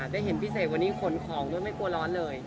ได้เห็นพี่เสกวันนี้ขนของด้วยไม่กลัวร้อนเลย